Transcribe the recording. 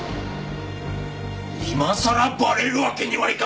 今さらバレるわけにはいかない！